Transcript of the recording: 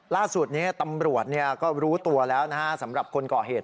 ล่าสุดนี้ตำรวจก็รู้ตัวแล้วนะฮะสำหรับคนก่อเหตุ